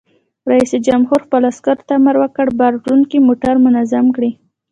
رئیس جمهور خپلو عسکرو ته امر وکړ؛ بار وړونکي موټر منظم کړئ!